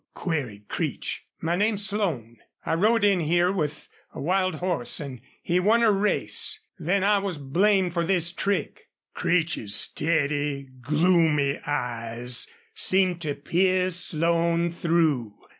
queried Creech. "My name's Slone. I rode in here with a wild horse, an' he won a race. Then I was blamed for this trick." Creech's steady, gloomy eyes seemed to pierce Slone through.